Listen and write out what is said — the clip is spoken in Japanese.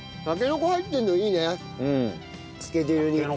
たけのこ入ってるのいいねつけ汁に。